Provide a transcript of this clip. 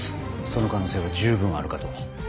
その可能性は十分あるかと。